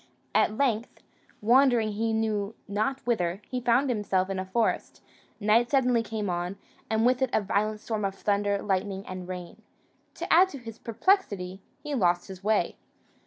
At length, wandering he knew not whither, he found himself in a forest; night suddenly came on, and with it a violent storm of thunder, lightning, and rain: to add to his perplexity, he lost his way.